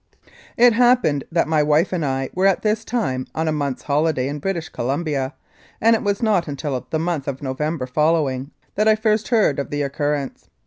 It happened that my wife and I were at this time on a month's holiday in British Columbia, and it was not until the month of November following that I first heard of the occurrence.